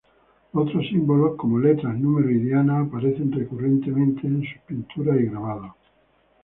Otros símbolos, como letras, números y dianas, aparecen recurrentemente en sus pinturas y grabados.